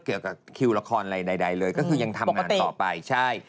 เกี่ยวกับคิวละครอะไรใดเลยก็คือยังทำงานต่อไปใช่